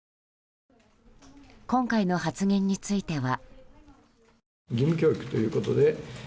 今回の発言については。